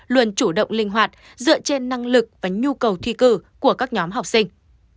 luôn chủ động linh hoạt dựa trên năng lực và nhu cầu thi cử của các nhóm học sinh